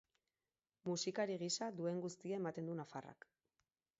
Musikari gisa duen guztia ematen du nafarrak.